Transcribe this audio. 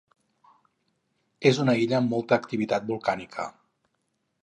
És una illa amb molta activitat volcànica.